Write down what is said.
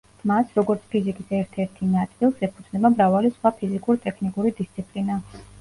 მას, როგორც ფიზიკის ერთ-ერთი ნაწილს, ეფუძნება მრავალი სხვა ფიზიკურ-ტექნიკური დისციპლინა.